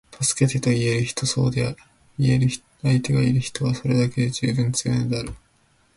「助けて」と言える人，そう言える相手がいる人は，それだけで十分強いのである．